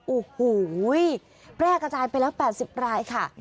โอ้โหแพร่กระจายไปแล้ว๘๐รายค่ะ